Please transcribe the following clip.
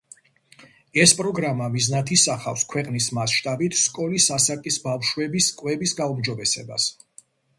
ეს პროგრამა მიზნად ისახავს ქვეყნის მასშტაბით სკოლის ასაკის ბავშვების კვების გაუმჯობესებას.